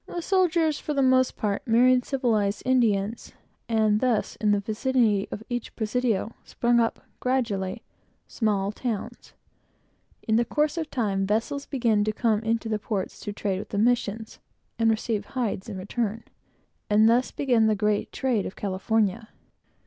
The soldiers, for the most part, married civilized Indians; and thus, in the vicinity of each presidio, sprung up, gradually, small towns. In the course of time, vessels began to come into the ports to trade with the missions, and received hides in return; and thus began the great trade of California.